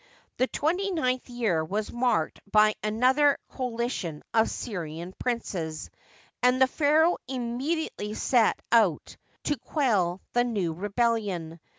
The twenty ninth year was marked by another coalition of Syrian princes, and the pharaoh im mediately set out to quell the new rebellion.